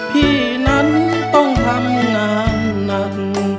พี่นั้นต้องทำงานหนัก